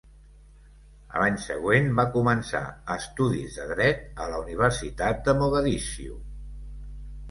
A l'any següent, va començar estudis de dret a la Universitat de Mogadiscio.